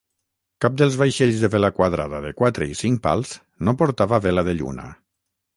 Cap dels vaixells de vela quadrada de quatre i cinc pals no portava vela de lluna.